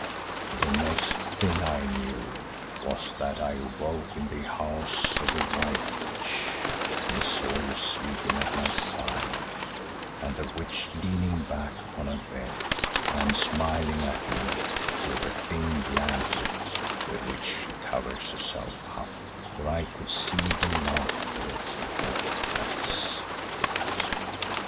"The next thing I knew was that I awoke in the house of the White Witch and saw you sleeping at my side and the Witch leaning back upon her bed and smiling at me through the thin blanket with which she covers herself up, for I could see the laughter in her eyes.